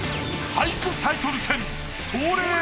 俳句タイトル戦。